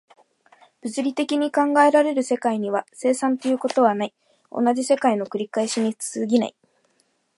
物理的に考えられる世界には、生産ということはない、同じ世界の繰り返しに過ぎない。